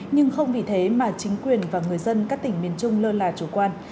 nhưng không vì thế mà chính quyền và người dân các tỉnh miền trung lơ là chủ quan